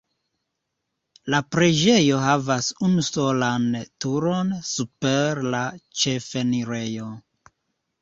La preĝejo havas unusolan turon super la ĉefenirejo.